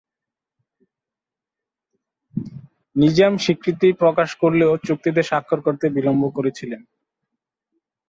নিজাম স্বীকৃতি প্রকাশ করলেও চুক্তিতে স্বাক্ষর করতে বিলম্ব করেছিলেন।